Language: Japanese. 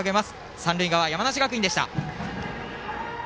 三塁側、山梨学院でした。